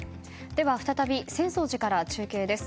再び浅草寺から中継です。